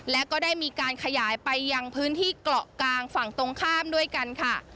และก็ได้มีการขยายไปยังพื้นที่เกาะกลางฝั่งตรงข้ามด้วยกันค่ะ